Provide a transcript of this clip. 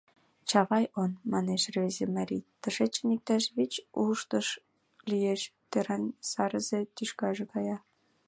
— Чавай он, — манеш рвезе марий, — тышечын иктаж вич уштыш лиеш, тӧран сарзе тӱшкаже кая.